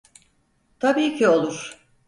Tabii ki olur.